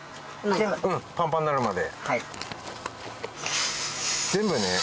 全部パンパンになるまで。